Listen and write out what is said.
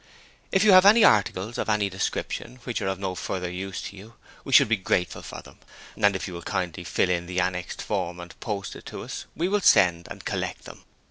If you have any articles of any description which are of no further use to you, we should be grateful for them, and if you will kindly fill in annexed form and post it to us, we will send and collect them.